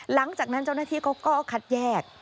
หลังจากนั้นเจ้าหน้าที่เขาก็คัดแยก